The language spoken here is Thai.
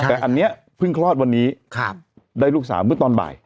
แต่อันนี้เพิ่งคลอดวันนี้ได้ลูกสาวเมื่อตอนบ่าย